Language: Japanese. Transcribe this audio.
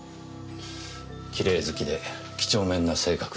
きれい好きで几帳面な性格のようです。